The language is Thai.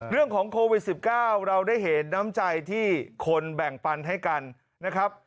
เรื่องของโควิด๑๙เราได้เห็นน้ำใจที่คนแบ่งปันให้กันนะครับ